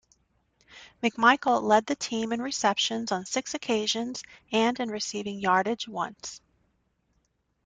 McMichael led the team in receptions on six occasions and in receiving yardage once.